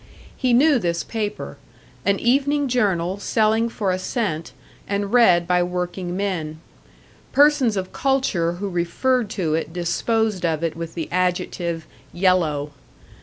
He knew this paper; an evening journal selling for a cent, and read by working men. Persons of culture who referred to it disposed of it with the adjective "yellow."